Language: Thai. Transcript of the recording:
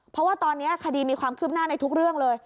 เพราะว่าตอนนี้คดีมีความคืบหน้าในทุกเรื่องเลย